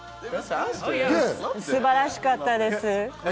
素晴らしかったです。